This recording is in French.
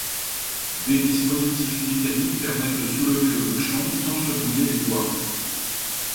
Des dispositifs mécaniques permettent de soulever le bouchon sans se mouiller les doigts.